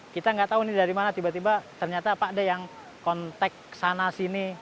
kita nggak tahu nih dari mana tiba tiba ternyata pak deh yang kontak sana sini